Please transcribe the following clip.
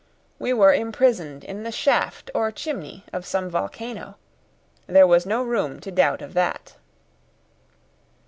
We were imprisoned in the shaft or chimney of some volcano. There was no room to doubt of that.